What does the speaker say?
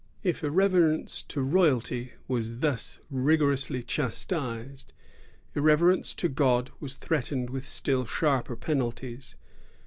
^ If irreverence to royalty was thus rigorously chas tised, irreverence to God was threatened with still sharper penalties.